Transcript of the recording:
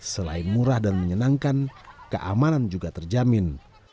selain murah dan menyenangkan keamanan juga terjamin